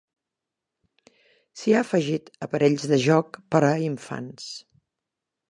S'hi ha afegit aparells de jocs per a infants.